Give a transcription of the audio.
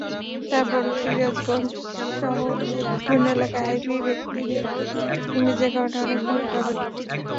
তারপরও সিদ্ধিরগঞ্জসহ বিভিন্ন এলাকায় আইভী ব্যক্তি ইমেজের কারণে অনেক ভোট পাবেন।